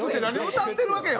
歌ってるわけやんか。